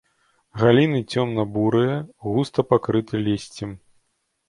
Галіны цёмна-бурыя, густа пакрыты лісцем.